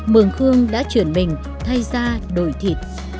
mường khương đã chuyển mình thay ra đổi thịt